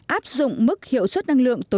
áp dụng mức hiệu suất năng lượng tối trung